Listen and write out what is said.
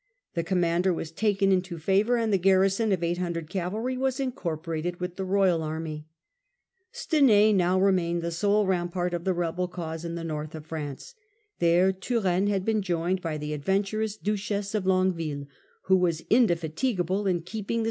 The commander was taken into favour, and the garrison of 800 cavalry was incorporated with the royal army. Stenai now remained the sole rampart of the rebel cause in the north of France. There Turenne had been Treaty joined by the adventurous Duchess of Longue iTainand w ^° was indefatigable in keeping the Turenne.